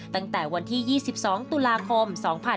ตั้งแต่วันที่๒๒ตุลาคม๒๕๕๙